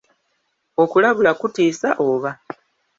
Okulabula kutiisa oba?